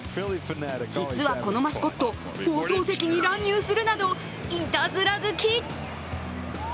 実はこのマスコット、放送席に乱入するなど、いたずら好き。